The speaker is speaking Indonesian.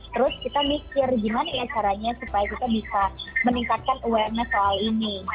terus kita mikir gimana ya caranya supaya kita bisa meningkatkan awareness soal ini